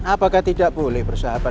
apakah tidak boleh bersahabat